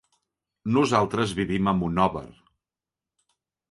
Nosaltres vivim a Monòver.